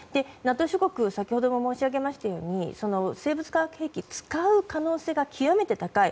ＮＡＴＯ諸国は先ほども申し上げましたが生物・化学兵器を使う可能性が極めて高い。